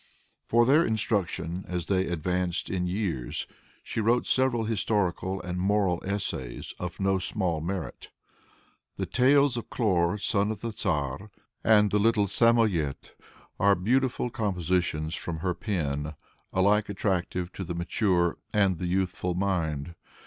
For their instruction as they advanced in years, she wrote several historical and moral essays of no small merit. The "Tales of Chlor, Son of the Tzar," and "The Little Samoyede," are beautiful compositions from her pen, alike attractive to the mature and the youthful mind.